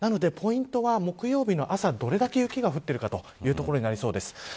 ポイントは木曜日の朝どれだけ雪が降っているかということになりそうです。